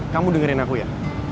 kamu dengerin aku ya